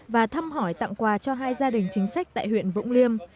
và thăm hỏi tặng quà cho hai gia đình chính sách tại huyện vũng liêm